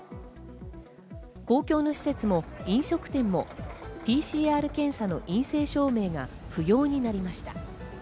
公共の施設も飲食店もＰＣＲ検査の陰性証明が不要になりました。